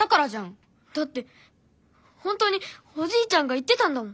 だって本当におじいちゃんが言ってたんだもん！